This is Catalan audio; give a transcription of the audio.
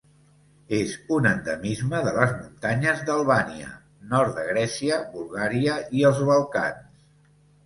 És un endemisme de les muntanyes d'Albània, nord de Grècia, Bulgària i els Balcans.